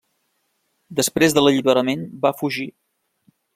Després de l'Alliberament va fugir.